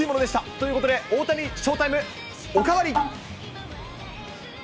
ということで、大谷ショータイムおかわり。